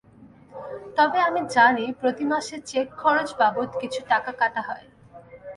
তবে আমি জানি, প্রতি মাসে চেক খরচ বাবদ কিছু টাকা কাটা হয়।